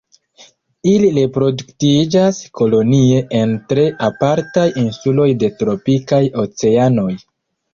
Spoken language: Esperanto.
Ili reproduktiĝas kolonie en tre apartaj insuloj de tropikaj oceanoj.